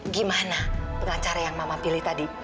gimana pengacara yang mama pilih tadi